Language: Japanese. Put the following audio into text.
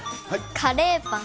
カレーパン。